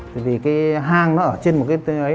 tại vì cái hang nó ở trên một cái tên ấy này